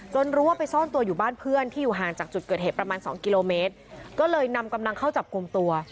รู้ว่าไปซ่อนตัวอยู่บ้านเพื่อนที่อยู่ห่างจากจุดเกิดเหตุประมาณสองกิโลเมตรก็เลยนำกำลังเข้าจับกลุ่มตัว